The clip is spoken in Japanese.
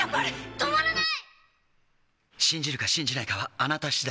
止まらない！